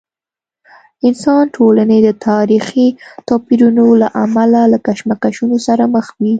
انسا ټولنې د تاریخي توپیرونو له امله له کشمکشونو سره مخ وي.